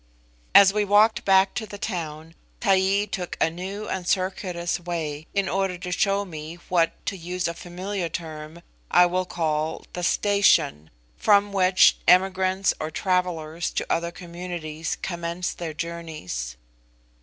As we walked back to the town, Taee took a new and circuitous way, in order to show me what, to use a familiar term, I will call the 'Station,' from which emigrants or travellers to other communities commence their journeys.